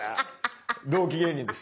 同期芸人です。